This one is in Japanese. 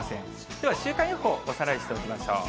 では、週間予報、おさらいしておきましょう。